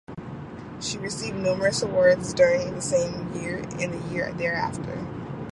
She received numerous awards during the same year and the year thereafter.